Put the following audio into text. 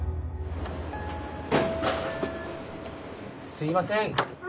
すいません。